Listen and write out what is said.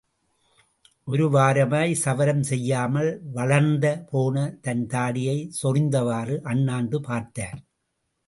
ஒரு வாரமாய் சவரம் செய்யாமல் வளர்ந்து போன தன் தாடியை சொறிந்தவாறு அண்ணாந்து பார்த்தார்.